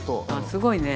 すごいね。